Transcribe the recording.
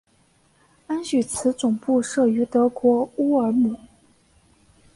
安许茨总部设于德国乌尔姆。